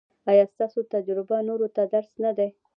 ایا ستاسو تجربه نورو ته درس نه دی؟